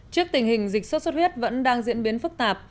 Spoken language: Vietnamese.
trước tình hình dịch sốt xuất huyết vẫn đang diễn biến phức tạp